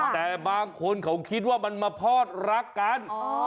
แต่บางคนเขาคิดว่ามันมาพอดรักกัน